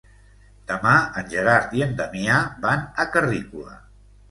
Demà en Gerard i en Damià van a Carrícola.